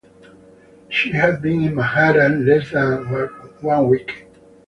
She had been in Manhattan less than one week.